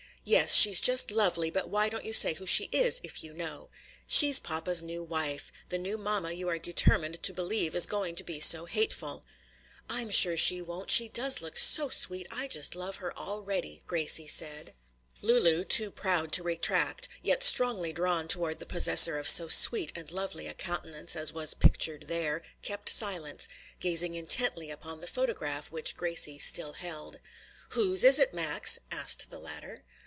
"Yes, she's just lovely; but why don't you say who she is, if you know?" "She's papa's new wife, the new mamma you are determined to believe is going to be so hateful." "I'm sure she won't. She does look so sweet, I just love her already!" Gracie said. Lulu, too proud to retract, yet strongly drawn toward the possessor of so sweet and lovely a countenance as was pictured there, kept silence, gazing intently upon the photograph which Gracie still held. "Whose is it, Max?" asked the latter.